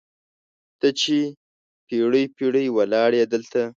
ته چې پیړۍ، پیړۍ ولاړیې دلته